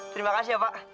terima kasih ya pak